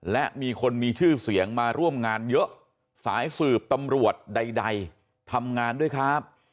และมีคนมีชื่อเสียงมาร่วมงานเยอะสายสืบตำรวจใดทำงานด้วยครับ